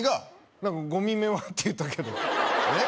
何か「ごみめは」って言ったけどえっ？